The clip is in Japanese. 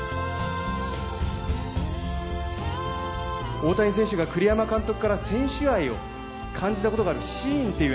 大谷選手が栗山監督から選手愛を感じた事があるシーンっていうのは？